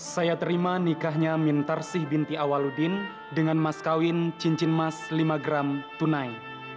saya terima nikahnya mintar sih binti awaludin dengan mas kawin cincin mas lima gram tunai